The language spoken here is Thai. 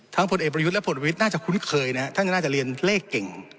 ทั้งผลเอปรยุทธ์และผลวิทธิ์น่าจะคุ้นเคยนะท่านน่าจะเรียนเลขเก่ง